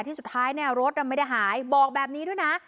สุดท้ายเนี่ยรถไม่ได้หายบอกแบบนี้ด้วยนะ